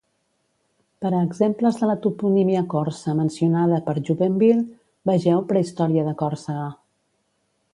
Per a exemples de la toponímia corsa mencionada per Jubainville, vegeu Prehistòria de Còrsega.